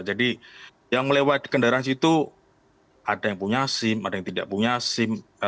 jadi yang melewat kendaraan situ ada yang punya sim ada yang tidak punya sim